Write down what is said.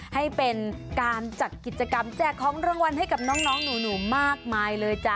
ให้เป็นการจัดกิจกรรมแจกของรางวัลให้กับน้องหนูมากมายเลยจ้ะ